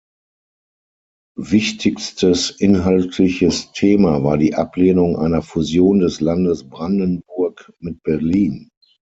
Wichtigstes inhaltliches Thema war die Ablehnung einer Fusion des Landes Brandenburg mit Berlin.